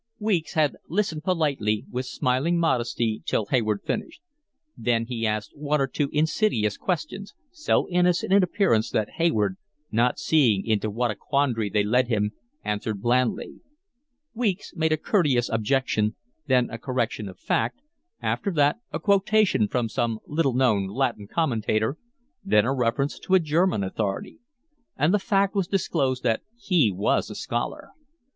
Weeks had listened politely, with smiling modesty, till Hayward finished; then he asked one or two insidious questions, so innocent in appearance that Hayward, not seeing into what a quandary they led him, answered blandly; Weeks made a courteous objection, then a correction of fact, after that a quotation from some little known Latin commentator, then a reference to a German authority; and the fact was disclosed that he was a scholar.